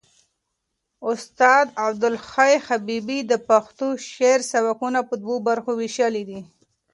استاد عبدالحی حبیبي د پښتو شعر سبکونه په دوو برخو وېشلي دي.